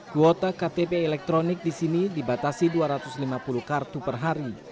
kuota ktp elektronik di sini dibatasi dua ratus lima puluh kartu per hari